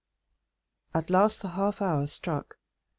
At last the half hour struck.